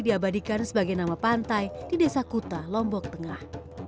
diabadikan sebagai nama pantai di desa kuta lombok tengah